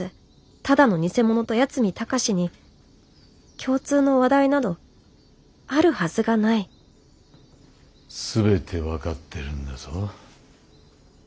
ただの偽者と八海崇に共通の話題などあるはずがない全てわかってるんだぞ！！